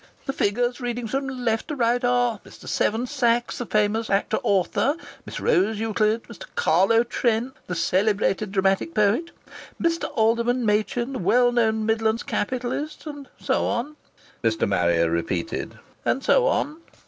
The figures, reading from left to right, are, Mr. Seven Sachs, the famous actor author, Miss Rose Euclid, Mr. Carlo Trent, the celebrated dramatic poet, Mr. Alderman Machin, the well known Midlands capitalist, and so on!" Mr. Marrier repeated, "and so on."